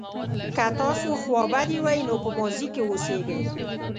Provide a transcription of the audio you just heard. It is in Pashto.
که تاسو خوابدي وئ نو په ماضي کې اوسیږئ.